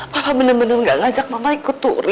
papa bener bener gak ngajak mama ikut turis